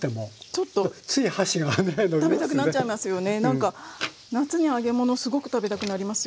何か夏に揚げ物すごく食べたくなりますよね。